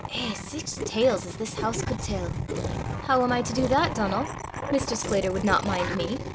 Eh! sic tales as this hoose cud tell!" "How am I to do that, Donal? Mr. Sclater would not mind me.